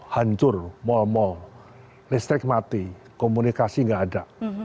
hancur mal mal listrik mati komunikasi nggak ada